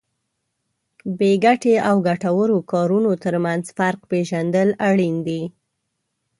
بې ګټې او ګټورو کارونو ترمنځ فرق پېژندل اړین دي.